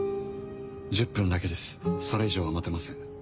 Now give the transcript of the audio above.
１０分だけですそれ以上は待てません。